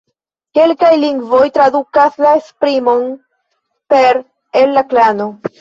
Kelkaj lingvoj tradukas la esprimon per "el la klano".